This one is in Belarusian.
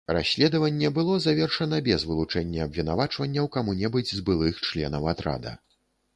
Расследаванне было завершана без вылучэння абвінавачванняў каму-небудзь з былых членаў атрада.